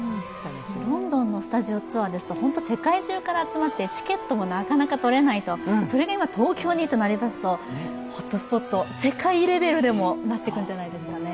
ロンドンのスタジオツアーですと、本当に世界中から集まって、チケットもなかなか取れないとそれが今、東京にとなりますとホットスポット、世界レベルでもなっていくんじゃないでしょうかね。